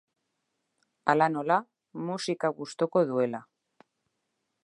Hala nola, musika gustoko duela.